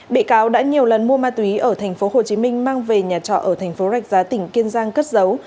bị cáo đã nhiều lần mua ma túy ở tp hcm mang về nhà trọ ở thành phố rạch giá tỉnh kiên giang cất dấu